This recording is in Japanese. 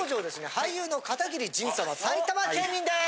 俳優の片桐仁さんは埼玉県民です！